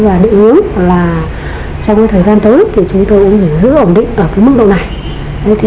và định hướng là trong thời gian tới chúng tôi cũng sẽ giữ ổn định ở mức độ này